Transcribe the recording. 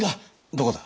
どこだ？